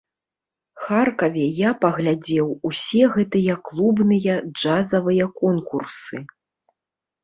Харкаве я паглядзеў усе гэтыя клубныя джазавыя конкурсы.